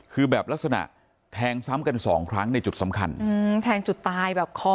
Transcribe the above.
คือแบบลักษณะแทงซ้ำกันสองครั้งในจุดสำคัญอืมแทงจุดตายแบบคอ